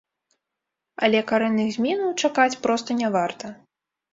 Але карэнных зменаў чакаць проста не варта.